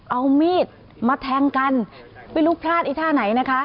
เอามีดมาแทงกันไม่รู้พลาดไอ้ท่าไหนนะคะ